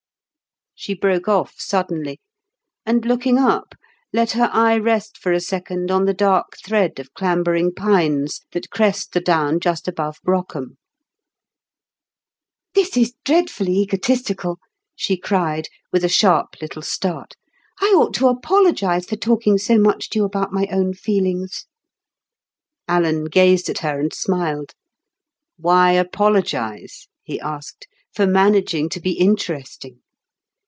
'" She broke off suddenly, and looking up, let her eye rest for a second on the dark thread of clambering pines that crest the down just above Brockham. "This is dreadfully egotistical," she cried, with a sharp little start. "I ought to apologise for talking so much to you about my own feelings." Alan gazed at her and smiled. "Why apologise," he asked, "for managing to be interesting?